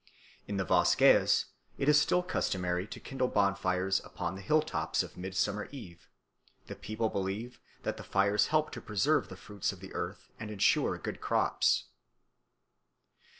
In the Vosges it is still customary to kindle bonfires upon the hill tops on Midsummer Eve; the people believe that the fires help to preserve the fruits of the earth and ensure good crops.